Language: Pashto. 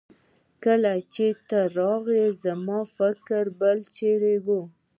کله چې ته راغلې زما فکر بل چيرې وه.